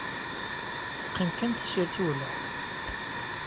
Teqqim kan tessirt i ulɣem.